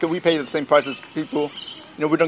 kita membeli harga yang sama seperti orang orang